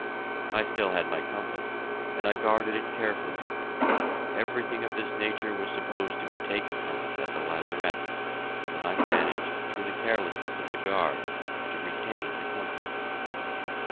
I still had my compass, and I guarded it carefully. Everything of this nature was supposed to be taken from us at the lazaret, but I managed, through the carelessness of the guard, to retain the compass.